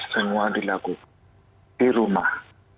semua dilakukan di rumah